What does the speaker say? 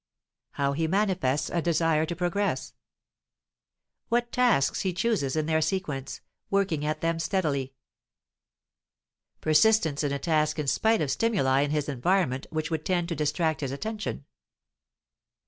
How he manifests a desire to progress. What tasks he chooses in their sequence, working at them steadily. Persistence in a task in spite of stimuli in his environment which would tend to distract his attention.